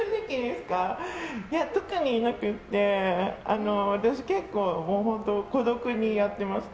特にいなくて私、結構孤独にやってました。